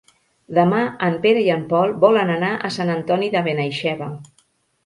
Demà en Pere i en Pol volen anar a Sant Antoni de Benaixeve.